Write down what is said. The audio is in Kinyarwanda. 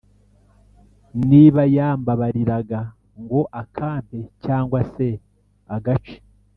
Niba yambabariraga ngo akampe cyangwa se agace